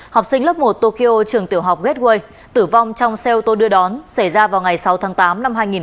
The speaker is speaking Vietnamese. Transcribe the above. học sinh lớp một tokyo trường tiểu học gateway tử vong trong xe ô tô đưa đón xảy ra vào ngày sáu tháng tám năm hai nghìn một mươi chín